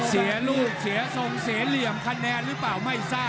เสียลูกเสียทรงเสียเหลี่ยมคะแนนหรือเปล่าไม่ทราบ